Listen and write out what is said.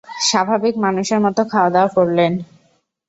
স্বাভাবিক মানুষের মতো খাওয়াদাওয়া করলেন।